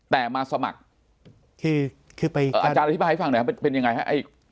แต่มาสมัครคืออาจารย์อธิบายให้ฟังหน่อยครับเป็นยังไงฮะ